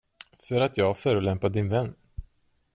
För att jag förolämpade din vän?